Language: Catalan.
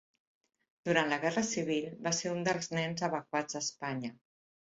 Durant la guerra civil va ser un dels nens evacuats d'Espanya.